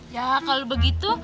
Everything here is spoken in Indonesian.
ya kalau begitu